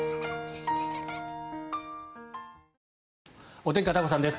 お天気、片岡さんです。